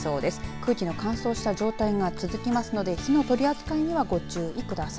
空気の乾燥した状態が続きますので火の取り扱いにはご注意ください。